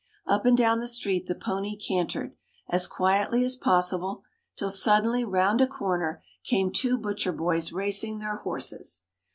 Up and down the street the pony cantered, as quietly as possible, till suddenly round a corner came two butcher boys racing their horses.